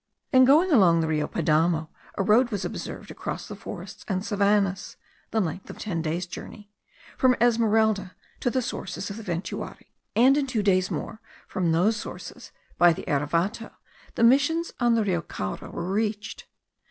In going along the Rio Padamo, a road was observed across the forests and savannahs (the length of ten days' journey), from Esmeralda to the sources of the Ventuari; and in two days more, from those sources, by the Erevato, the missions on the Rio Caura were reached.